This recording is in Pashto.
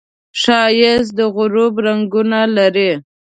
ښایست د غروب رنګونه لري